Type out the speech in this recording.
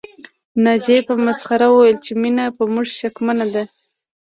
ناجيې په مسخره وويل چې مينه په موږ شکمنه ده